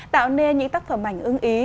tạo nên những tác phẩm ảnh ưng ý